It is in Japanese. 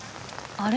あれ？